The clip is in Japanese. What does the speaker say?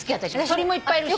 鳥もいっぱいいるし。